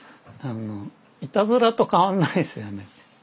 いたずらと変わんないですよね。